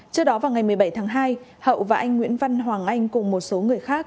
trước đó vào ngày một mươi bảy tháng hai hậu và anh nguyễn văn hoàng anh cùng một số người khác